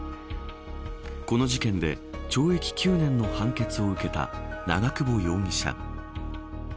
この事件で、懲役９年の判決を受けた長久保容疑者。